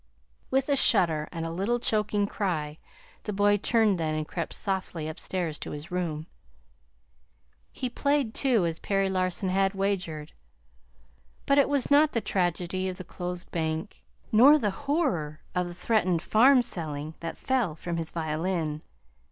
With a shudder and a little choking cry the boy turned then and crept softly upstairs to his room. He played, too, as Perry Larson had wagered. But it was not the tragedy of the closed bank, nor the honor of the threatened farm selling that fell from his violin.